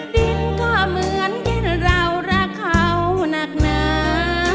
ดินก็เหมือนที่เรารักเขานักหนา